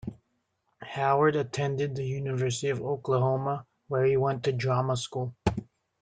Howard attended the University of Oklahoma, where he went to drama school.